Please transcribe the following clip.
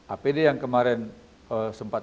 apd yang kemarin sempat